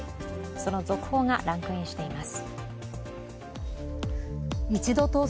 その続報がランクインしています。